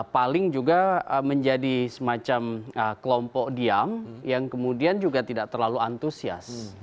paling juga menjadi semacam kelompok diam yang kemudian juga tidak terlalu antusias